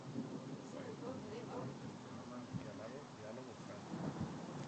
Fue el conductor de un programa llamado Diálogo Franco.